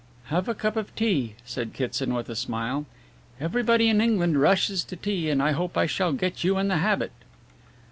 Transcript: "Have a cup of tea," said Kitson, with a smile, "everybody in England rushes to tea and I hope I shall get you in the habit."